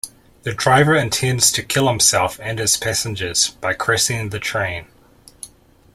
The driver intends to kill himself and his passengers by crashing the train.